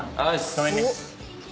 ごめんね。